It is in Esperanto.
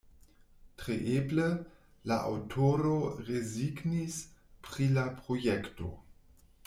Tre eble, la aŭtoro rezignis pri la projekto.